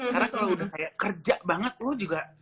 karena kayak kerja banget lo juga